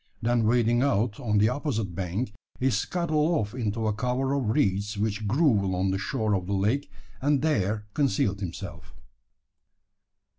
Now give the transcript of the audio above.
Then wading out on the the opposite bank, he scuttled off into a cover of reeds which grew along the shore of the lake, and there concealed himself.